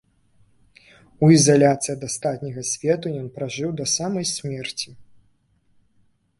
У ізаляцыі ад астатняга свету ён пражыў да самай смерці.